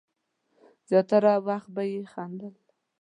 زیاتره وخت به یې خندل.